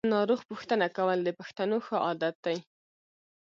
ناروغ پوښتنه کول د پښتنو ښه عادت دی.